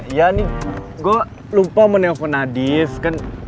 ya nih gue lupa mau nelfon hadis kan